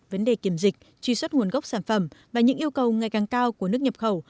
vấn đề kiểm dịch truy xuất nguồn gốc sản phẩm và những yêu cầu ngày càng cao của nước nhập khẩu